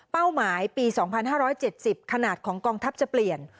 หมายปี๒๕๗๐ขนาดของกองทัพจะเปลี่ยน